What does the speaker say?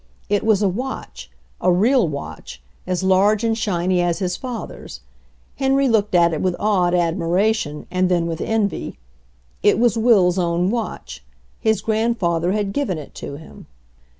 It was a watch, a real watch, as large and shiny as his father's. Henry looked at it with awed admiration, and then with envy. It was Will's own watch; his grandfather had given it, to him.